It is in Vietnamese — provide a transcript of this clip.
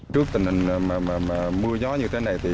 trước tình hình mưa gió như thế này